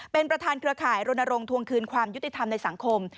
เป็นประธานเครือข่ายรณรงค์ทวงคืนความยุติธรรมในสังคม